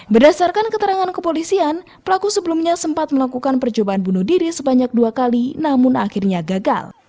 berdasarkan keterangan kepolisian pelaku sebelumnya sempat melakukan percobaan bunuh diri sebanyak dua kali namun akhirnya gagal